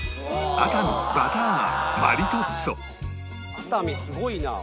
熱海すごいな！